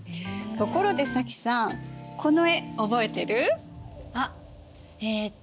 ところで早紀さんこの絵覚えてる？あっえっと